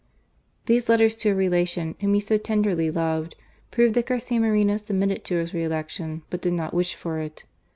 These letters to a relation whom he so tenderly loved, prove that Garcia Moreno sub mitted to his re election, but did not wish for it.